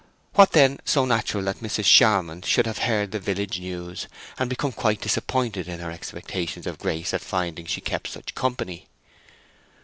What, then, so natural as that Mrs. Charmond should have heard the village news, and become quite disappointed in her expectations of Grace at finding she kept such company?